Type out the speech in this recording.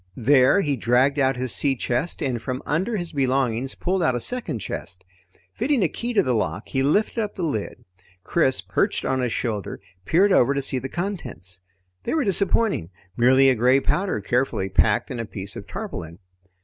There he dragged out his sea chest, and from under his belongings pulled out a second chest. Fitting a key to the lock, he lifted up the lid. Chris, perched on his shoulder, peered over to see the contents. They were disappointing merely a gray powder carefully packed in a piece of tarpaulin.